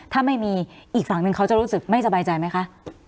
ถ้าไม่มีอีกฝั่งหนึ่งเขาจะรู้สึกไม่สบายใจไหมคะ